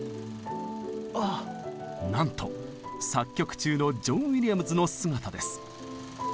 なんと作曲中のジョン・ウィリアムズの姿です。